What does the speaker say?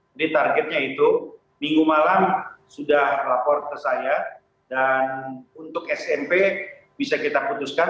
jadi targetnya itu minggu malam sudah lapor ke saya dan untuk smp bisa kita putuskan